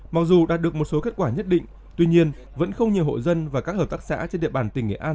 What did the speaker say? mặc dù đạt được một số kết quả nhất định tuy nhiên vẫn không nhiều hộ dân và các hợp tác xã trên địa bàn tỉnh nghệ an